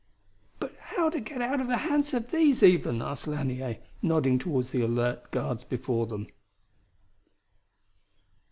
"But how to get out of the hands of these, even?" asked Lanier, nodding toward the alert guards before them.